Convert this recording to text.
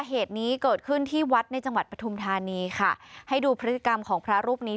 เหตุนี้เกิดขึ้นที่วัดในจังหวัดปฐุมธานีค่ะให้ดูพฤติกรรมของพระรูปนี้